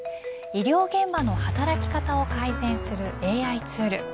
医療現場の働き方を改善するＡＩツール。